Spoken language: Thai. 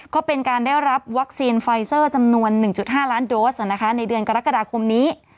ก็เป็นการได้รับวัคซีนไฟเซอร์จำนวน๑๕ล้านโดสในเดือนกรกฎาคมนี้